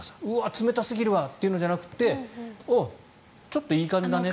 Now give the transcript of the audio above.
冷たすぎるわ！というのじゃなくてちょっといい感じだねって。